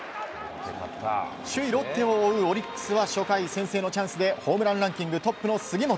首位ロッテを追うオリックスは初回、先制のチャンスでホームランランキングトップの杉本。